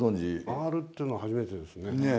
回るっていうのは初めてですね。